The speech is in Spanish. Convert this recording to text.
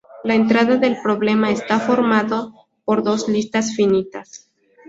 La entrada del problema está formada por dos listas finitas.